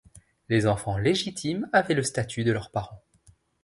Les enfants légitimes avaient le statut de leurs parents.